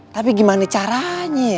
tapi gimana caranya ya